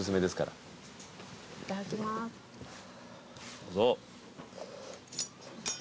どうぞ。